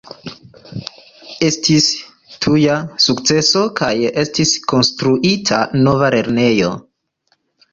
Estis tuja sukceso kaj estis konstruita nova lernejo.